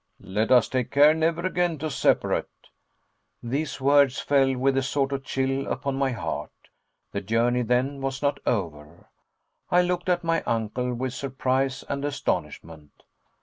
"Let us take care never again to separate." These words fell with a sort of chill upon my heart. The journey, then, was not over. I looked at my uncle with surprise and astonishment.